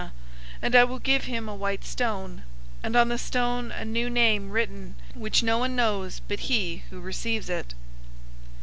} and I will give him a white stone, and on the stone a new name written, which no one knows but he who receives it.